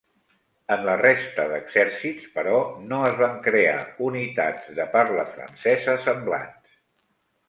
En la resta d'exèrcits, però, no es van crear unitats de parla francesa semblants.